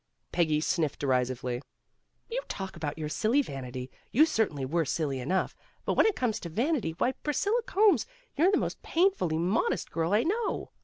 Peggy sniffed derisively. "You talk about your silly vanity. You certainly were silly enough, but when it comes to vanity, why, Pris cilla Combs, you're the most painfully modest girl I know.